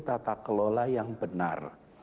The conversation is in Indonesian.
tata kelola yang benar